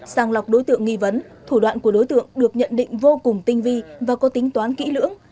sàng lọc đối tượng nghi vấn thủ đoạn của đối tượng được nhận định vô cùng tinh vi và có tính toán kỹ lưỡng